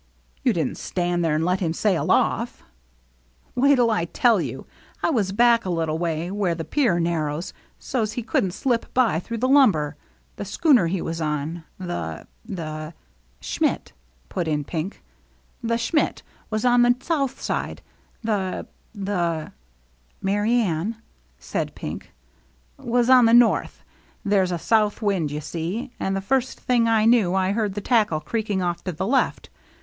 " You didn't stand there and let him sail off." " Wait'U I tell you. I was back a little way, where the pier narrows, so's he couldn't slip by through the lumber. The schooner he was on, the — the —" THE EVENING OF THE SAME DAY 217 " Schmidt,'" put in Pink. " The Schmidt was on the south side, the — the —"" Merry Anne, said Pink. "— was on the north. There's a south wind^ you see. And the first thing I knew I heard the tackle creaking off to the left.